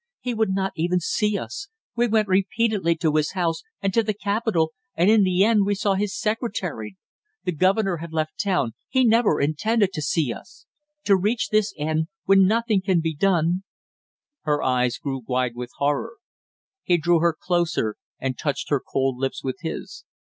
"He would not even see us; we went repeatedly to his house and to the capitol, and in the end we saw his secretary. The governor had left town; he never intended to see us! To reach this end when nothing can be done " Her eyes grew wide with horror. He drew her closer, and touched her cold lips with his.